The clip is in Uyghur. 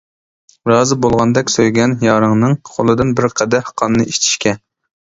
رازى بولغاندەك سۆيگەن يارىڭنىڭ، قولىدىن بىر قەدەھ قاننى ئىچىشكە.